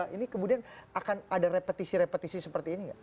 ini kemudian akan ada repetisi repetisi seperti ini nggak